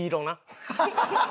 ハハハハ！